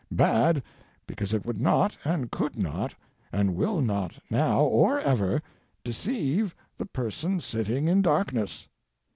Bad, because it would not, and could not, and will not now or ever, deceive the Person Sitting in Darkness.